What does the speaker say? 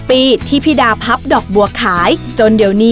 พี่ดาขายดอกบัวมาตั้งแต่อายุ๑๐กว่าขวบ